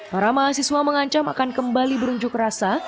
para mahasiswa mengancam akan kembali berunjuk rasa